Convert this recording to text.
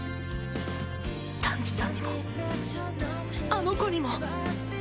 ダンジさんにもあの子にも